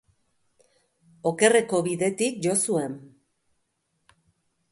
Okerreko bidetik jo zuen.